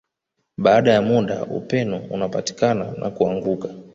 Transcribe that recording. Baada ya muda upeno unakatika na kuanguka